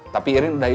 tapi irin udah inget